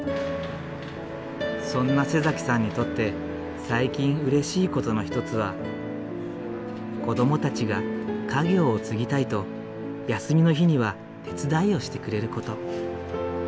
そんなさんにとって最近うれしい事子どもたちが家業を継ぎたいと休みの日には手伝いをしてくれる事。